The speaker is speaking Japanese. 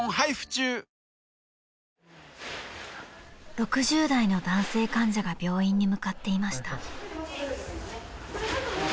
［６０代の男性患者が病院に向かっていました］